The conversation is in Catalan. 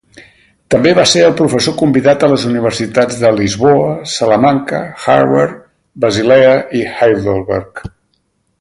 També va ser professor convidat a les universitats de Lisboa, Salamanca, Harvard, Basilea i Heidelberg.